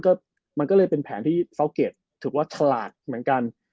ก็มันก็เลยเป็นแผนที่เฝ้าเกรดถือว่าฉลาดเหมือนกัน